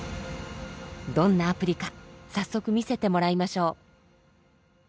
どんなアプリか早速見せてもらいましょう。